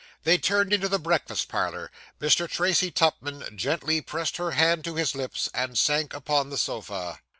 They turned into the breakfast parlour. Mr. Tracy Tupman gently pressed her hand to his lips, and sank upon the sofa.